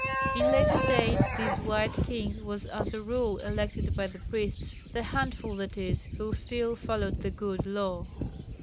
In later days this "white" king was as a rule elected by the priests the handful, that is, who still followed the "good law."